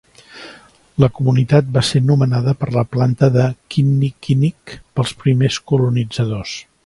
La comunitat va ser nomenada per la planta de kinnikinick pels primers colonitzadors.